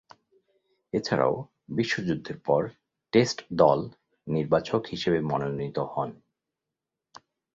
এছাড়াও, বিশ্বযুদ্ধের পর টেস্ট দল নির্বাচক হিসেবে মনোনীত হন।